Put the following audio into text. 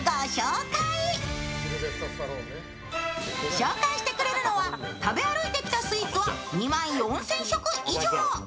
紹介してくれるのは、食べ歩いてきたスイーツは２万４０００食以上。